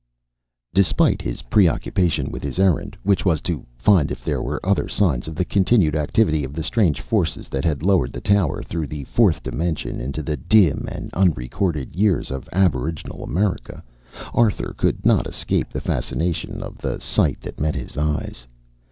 Despite his preoccupation with his errand, which was to find if there were other signs of the continued activity of the strange forces that had lowered the tower through the Fourth Dimension into the dim and unrecorded years of aboriginal America, Arthur could not escape the fascination of the sight that met his eyes.